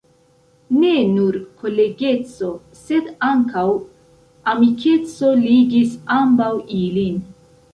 Ne nur kolegeco, sed ankaŭ amikeco ligis ambaŭ ilin.